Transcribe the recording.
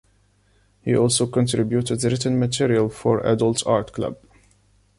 He also contributed written material for Adult Art Club.